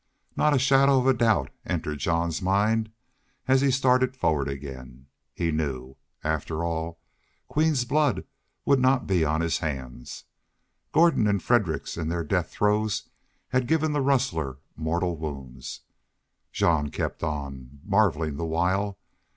Not a shadow of a doubt entered Jean's mind as he started forward again. He knew. After all, Queen's blood would not be on his hands. Gordon and Fredericks in their death throes had given the rustler mortal wounds. Jean kept on, marveling the while.